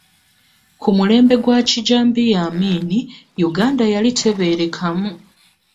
Ku mulembe gwa kijambiya Amini Yuganda yali tebeerekamu.